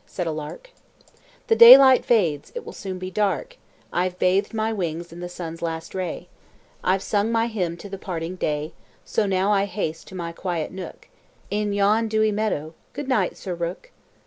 said a little lark, "The daylight fades; it will soon be dark; I've bathed my wings in the sun's last ray; I've sung my hymn to the parting day; So now I haste to my quiet nook In yon dewy meadow good night, Sir Rook!"